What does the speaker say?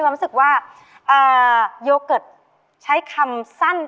อยากแต่งานกับเธออยากแต่งานกับเธอ